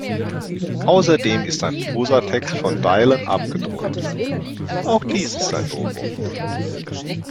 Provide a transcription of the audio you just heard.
Außerdem ist ein Prosatext von Dylan abgedruckt, auch dies ist ein Novum.